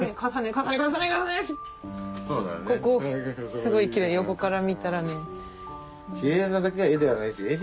ここすごいキレイ横から見たらね。